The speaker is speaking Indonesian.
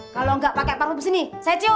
kalau enggak pakai parfum sini saya cium